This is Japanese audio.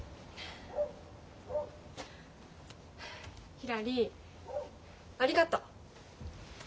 ひらりありがとう。